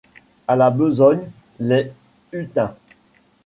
À la besogne, les hutins!